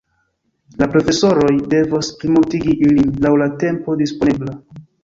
La profesoroj devos plimultigi ilin laŭ la tempo disponebla.